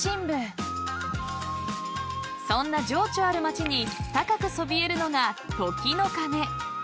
［そんな情緒ある町に高くそびえるのが時の鐘］